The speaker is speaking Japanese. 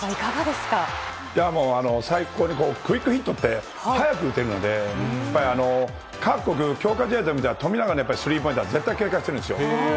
最高にクイックヒットって、速く打てるので、やっぱり、各国強化試合で見たら、富永のやっぱりスリーポイントは絶対警戒してるんですよ。